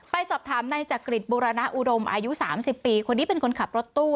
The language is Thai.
ไปสอบถามนายจักริตบุรณอุดมอายุ๓๐ปีคนนี้เป็นคนขับรถตู้